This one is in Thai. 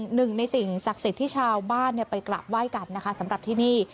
หนึ่งในสิ่งศักดิ์สิทธิ์ที่ชาวบ้านไปกราบไหว้กันนะคะสำหรับที่นี่